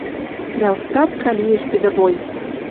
Дӓ остатка лиэш тидӹ бой...